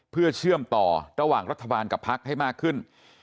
เพื่อเชื่อมต่อระหว่างรัฐบาลกับพักให้มากขึ้น